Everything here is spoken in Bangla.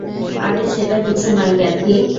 আরে সেটা কিছু নয় ক্যাথি।